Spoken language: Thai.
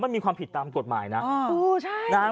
มันมีความผิดตามกฎหมายนะ